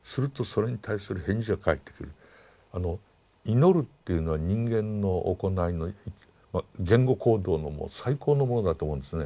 祈るっていうのは人間の行いの言語行動のもう最高のものだと思うんですね。